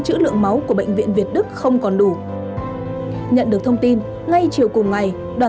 chữ lượng máu của bệnh viện việt đức không còn đủ nhận được thông tin ngay chiều cùng ngày đoàn